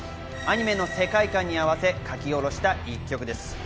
アニメの世界感に合わせ書き下ろした１曲です。